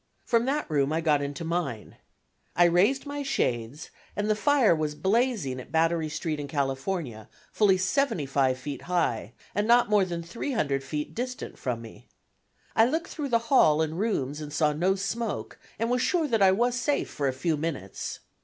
From that room I got into mine. I raised my shades, and the fire was blazing at Battery Street and California, fully seventy five feet high, and not more than three hundred feet distant from me. I looked through the hall and rooms and saw no smoke, and was sure that I was safe for a few minutes.